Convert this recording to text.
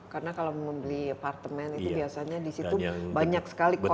karena kalau membeli apartemen itu biasanya disitu banyak sekali keluhan